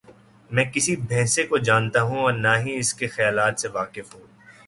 میں کسی بھینسے کو جانتا ہوں اور نہ ہی اس کے خیالات سے واقف ہوں۔